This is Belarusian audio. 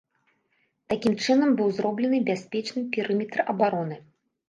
Такім чынам быў зроблены бяспечны перыметр абароны.